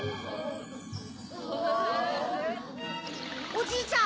おじいちゃん